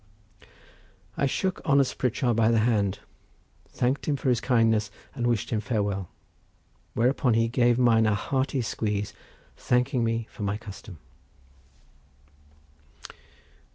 I shook honest Pritchard by the hand, thanked him for his kindness and wished him farewell, whereupon he gave mine a hearty squeeze, thanking me for my custom.